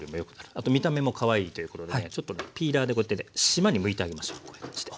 あと見た目もかわいいということでねちょっとピーラーでこうやってねしまにむいてあげましょう。